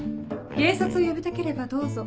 警察を呼びたければどうぞ。